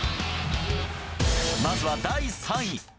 まずは第３位。